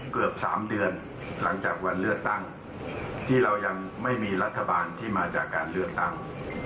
เกือบ๓เดือนหลังจากวันเลือกตั้งที่เรายังไม่มีรัฐบาลที่มาจากการเลือกตั้ง